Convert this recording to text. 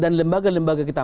semua lembaga lembaga kita